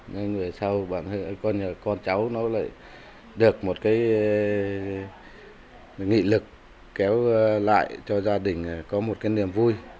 nên người sau con cháu nó lại được một cái nghị lực kéo lại cho gia đình có một cái niềm vui